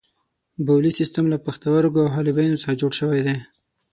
بولي سیستم له پښتورګو او حالبینو څخه جوړ شوی دی.